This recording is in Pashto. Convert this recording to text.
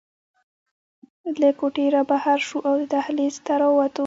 له کوټې رابهر شوو او دهلېز ته راووتو.